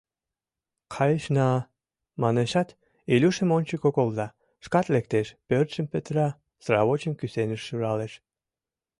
Кайышна! — манешат, Илюшым ончыко колта, шкат лектеш, пӧртшым петыра, сравочым кӱсеныш шуралеш.